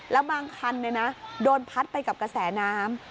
แล้วบางคันโดนพัดไปกับกระแสน้ำ